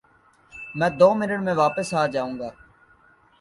میں دو منٹ میں واپس آ جاؤں گا